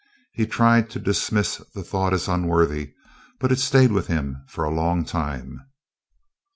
He tried to dismiss the thought as unworthy, but it stayed with him for a long time.